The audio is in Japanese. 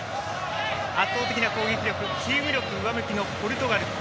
圧倒的な攻撃力チーム力、上向きのポルトガル。